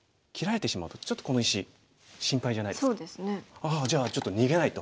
ああじゃあちょっと逃げないと。